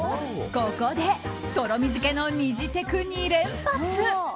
ここで、とろみづけのにじテク２連発。